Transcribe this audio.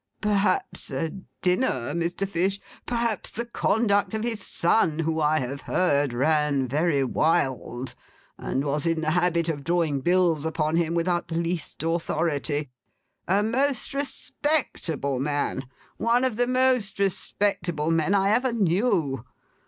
Perhaps a dinner, Mr. Fish. Perhaps the conduct of his son, who, I have heard, ran very wild, and was in the habit of drawing bills upon him without the least authority! A most respectable man. One of the most respectable men I ever knew!